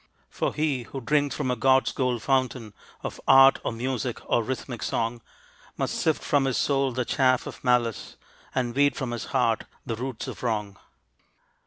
For he who drinks from a god's gold fountain Of art or music or rhythmic song Must sift from his soul the chaff of malice, And weed from his heart the roots of wrong.